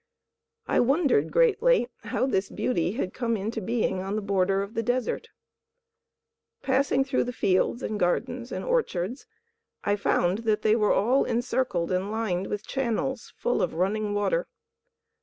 I wondered greatly how this beauty had come into being on the border of the desert. Passing through the fields and gardens and orchards, I found that they were all encircled and lined with channels full of running water.